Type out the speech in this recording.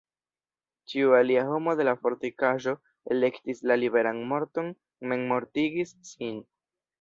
Ĉiu alia homo de la fortikaĵo elektis la liberan morton, memmortigis sin.